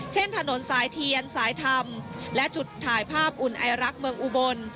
ถนนสายเทียนสายธรรมและจุดถ่ายภาพอุ่นไอรักษ์เมืองอุบล